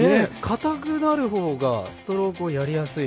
かたくなるほうがストロークやりやすい。